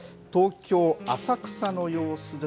東京、浅草の様子です。